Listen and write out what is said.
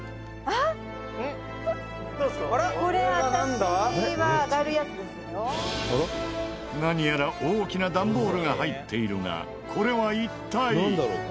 「これ何やら大きなダンボールが入っているがこれは一体？